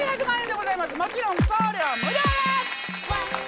もちろん送料無料です！